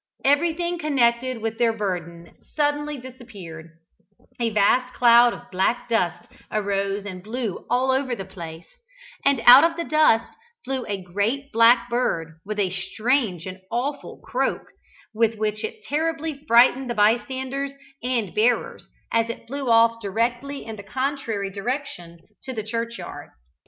Everything connected with their burden suddenly disappeared: a vast cloud of black dust arose and blew all over the place, and out of the dust flew a great black bird, with a strange and awful croak, with which it terribly frightened the bystanders and bearers, as it flew off directly in the contrary direction to the churchyard.